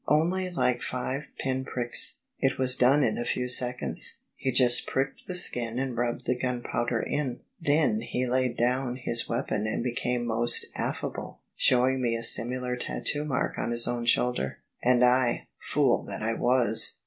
" Only like five pin pricks; it was done in a few seconds. He just pricked the skin and rubbed the gunpowder in. Then he laid down his weapon and became most affable, showing me a similar tattoo mark on his own shoulder: and I — fool that I was